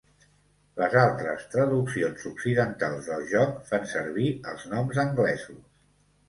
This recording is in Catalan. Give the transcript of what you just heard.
Les altres traduccions occidentals del joc fan servir els noms anglesos.